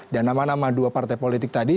dan nama nama dua partai politik tadi